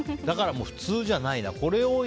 普通じゃないな。